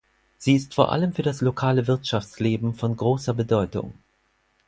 Sie ist vor allem für das lokale Wirtschaftsleben von großer Bedeutung.